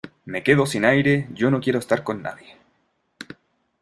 me quedo sin aire. yo no quiero estar con nadie,